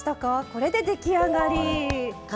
これで出来上がり。